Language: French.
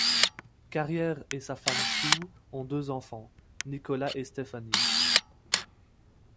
Carrière et sa femme Sue ont deux enfants, Nicholas et Stephanie.